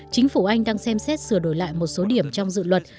chính phủ anh đang xem xét sửa đổi lại một số điểm trong dự luật